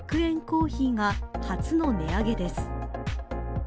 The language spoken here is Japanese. コーヒーが初の値上げです。